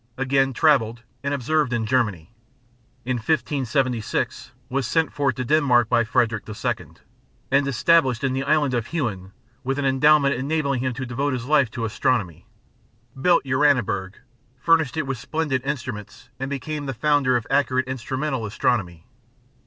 Again travelled and observed in Germany. In 1576 was sent for to Denmark by Frederick II., and established in the island of Huen, with an endowment enabling him to devote his life to astronomy. Built Uraniburg, furnished it with splendid instruments, and became the founder of accurate instrumental astronomy.